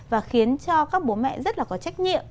và khiến cho các bố mẹ rất là có trách nhiệm